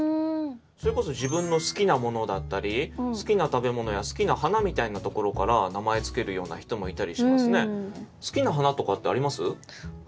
それこそ自分の好きなものだったり好きな食べ物や好きな花みたいなところから名前付けるような人もいたりしますね。